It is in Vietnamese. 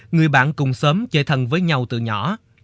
người bạn cùng xóm chơi thân với nhau từ nhỏ